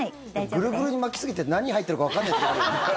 ぐるぐるに巻きすぎて何入ってるかわからない時あるよね。